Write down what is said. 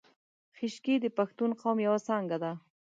خیشکي د پښتون قوم یو څانګه ده